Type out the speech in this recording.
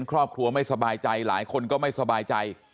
ครอบครัวไม่สบายใจหลายคนก็ไม่สบายใจ